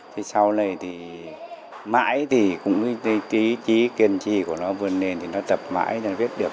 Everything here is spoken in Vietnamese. thì sau này thì mãi thì cũng cái trí kiên trì của nó vươn lên thì nó tập mãi là viết được